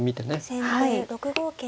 先手６五桂馬。